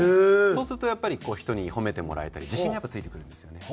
そうするとやっぱり人に褒めてもらえたり自信がやっぱついてくるんですよね。